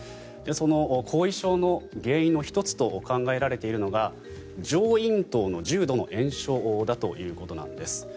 その後遺症の原因の１つと考えられているのが上咽頭の重度の炎症だということなんです。